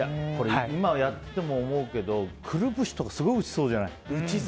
今やっても思うけどくるぶしとかすごい打ちそうじゃない。